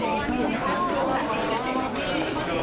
เธออยู่นั่งบะกัลของที